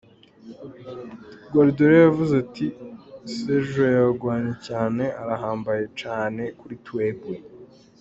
Guardiola yavuze ati: "Sergio yagwanye cane, arahambaye cane kuri twebwe.